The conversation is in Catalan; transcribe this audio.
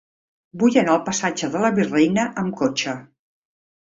Vull anar al passatge de la Virreina amb cotxe.